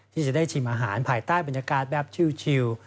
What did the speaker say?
ที่จะได้ชิมอาหารภายใต้บรรยากาศแบบชิล